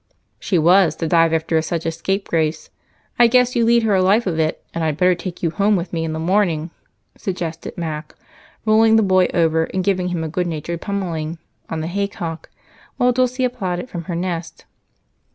"She was, to dive after such a scapegrace. I guess you lead her a life of it, and I'd better take you home with me in the morning," suggested Mac, rolling the boy over and giving him a good natured pummeling on the haycock while Dulce applauded from her nest.